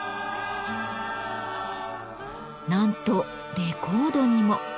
なんとレコードにも。